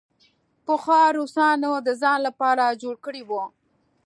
پخوا روسانو د ځان لپاره جوړ کړی وو.